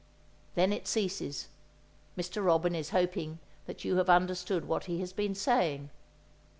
Then it ceases. Mr. Robin is hoping that you have understood what he has been saying.